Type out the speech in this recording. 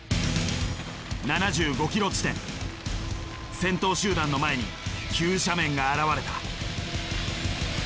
先頭集団の前に急斜面が現れた。